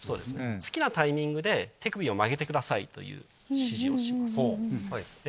好きなタイミングで手首を曲げてくださいという指示をします。